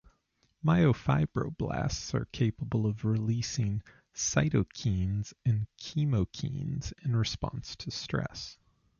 Myofibroblasts are capable of releasing cytokines and chemokines in response to stress.